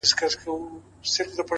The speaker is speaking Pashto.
راهب په کليسا کي مردار ښه دی- مندر نسته